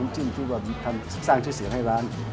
จนกว่าสร้างชื่อเสียงให้ร้าน